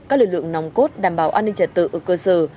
các lực lượng nòng cốt đảm bảo an ninh trật tự ở cơ sở